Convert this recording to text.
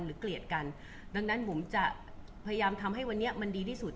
เกลียดกันดังนั้นบุ๋มจะพยายามทำให้วันนี้มันดีที่สุด